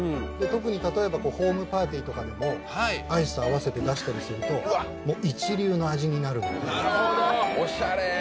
特に例えばホームパーティーとかでもアイスと合わせて出したりすると一流の味になるのでおしゃれ！